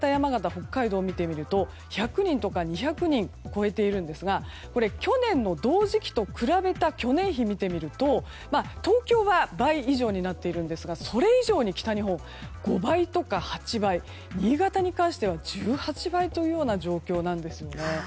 北海道を見てみると１００人とか２００人を超えているんですが去年の同時期と比べた去年比を見てみると東京は倍以上になっているんですがそれ以上に北日本、５倍とか８倍新潟に関しては１８倍という状況なんですね。